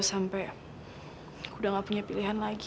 sampai udah gak punya pilihan lagi